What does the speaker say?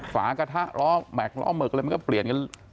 ฝากระทะร้อแมกร้อเหมือนกันเลยมันก็เปลี่ยนกัน